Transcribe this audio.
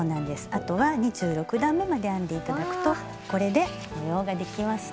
あとは２６段めまで編んで頂くとこれで模様ができました。